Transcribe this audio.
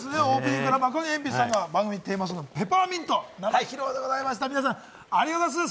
オープニングからマカロニえんぴつさんの番組テーマソング『ペパーミント』生披露でした、ありがとうございました。